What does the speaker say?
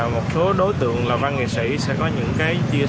một số đối tượng là văn nghệ sĩ sẽ có những cái chia sẻ